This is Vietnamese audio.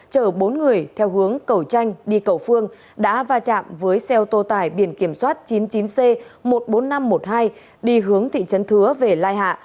chở bốn người theo hướng cầu chanh đi cầu phương đã va chạm với xe ô tô tải biển kiểm soát chín mươi chín c một mươi bốn nghìn năm trăm một mươi hai đi hướng thị trấn thứa về lai hạ